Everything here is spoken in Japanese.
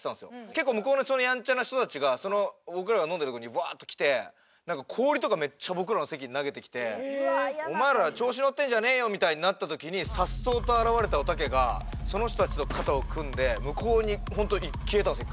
結構向こうのヤンチャな人たちが僕らが飲んでるところにワーッと来て氷とかめっちゃ僕らの席に投げてきて「お前ら調子乗ってんじゃねえよ」みたいになった時に颯爽と現れたおたけがその人たちと肩を組んで向こうに消えたんですよ